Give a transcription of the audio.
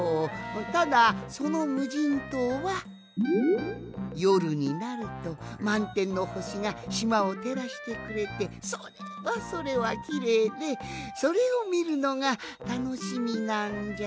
ただそのむじんとうはよるになるとまんてんのほしがしまをてらしてくれてそれはそれはきれいでそれをみるのがたのしみなんじゃが。